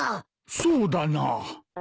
そうだな。